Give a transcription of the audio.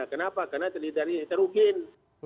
kenapa karena terukin